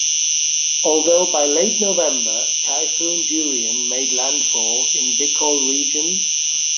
Although by late November, Typhoon Durian made landfall in Bicol region.